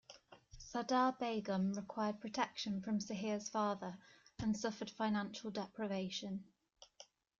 Sardar Begum required protection from Sahir's father and suffered financial deprivation.